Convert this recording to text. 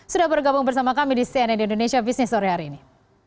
sudah bergabung bersama kami di cnn indonesia business sore hari ini